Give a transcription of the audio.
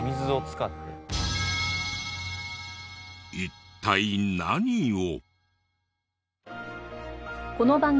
一体何を。